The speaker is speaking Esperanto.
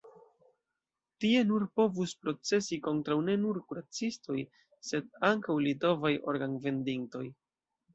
Tie oni povus procesi kontraŭ ne nur kuracistoj, sed ankaŭ litovaj organ-vendintoj.